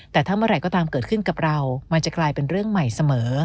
แต่ถ้าเมื่อไหร่ก็ตามเกิดขึ้นกับเรามันจะกลายเป็นเรื่องใหม่เสมอ